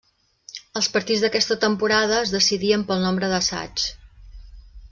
Els partits d'aquesta temporada es decidien pel nombre d'assaigs.